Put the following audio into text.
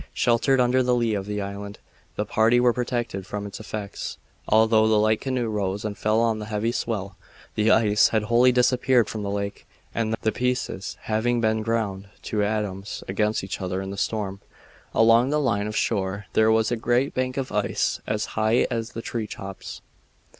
Sheltered under the lee of the island, the party were protected from its effects, although the light canoe rose and fell on the heavy swell. The ice had wholly disappeared from the lake, the pieces having been ground to atoms against each other in the storm. Along the line of shore there was a great bank of ice as high as the tree tops.